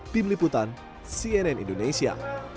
tim liputan cnn indonesia